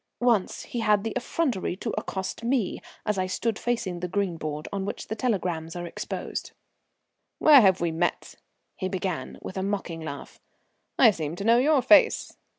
Once he had the effrontery to accost me as I stood facing the green board on which the telegrams are exposed. "Where have we met?" he began, with a mocking laugh. "I seem to know your face.